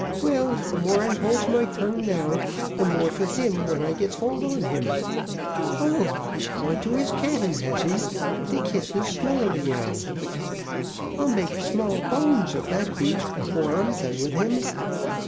"Well, the more I holds my tongue now, the more for him when I gets hold on him. Oh! he's gone to his cabin, has he, to kiss his Snarleyyow: I'll make smallbones of that beast afore I'm done with him.